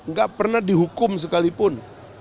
gak pernah dihukum sekalipun